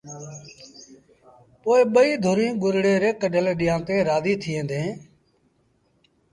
پو ٻئيٚ ڌريٚݩ گرڙي ري ڪڍل ڏيݩهآݩ تي رآزيٚ ٿئيݩ دآ